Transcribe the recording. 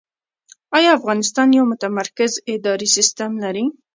آیا افغانستان یو متمرکز اداري سیستم لري؟